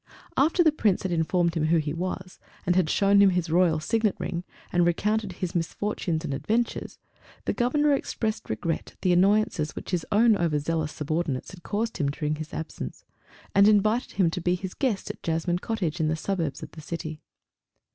After the Prince had informed him who he was, and had shown him his Royal Signet ring and recounted his misfortunes and adventures, the Governor expressed regret at the annoyances which his own over zealous subordinates had caused during his absence, and invited him to be his guest at "Jasmine Cottage" in the suburbs of the city.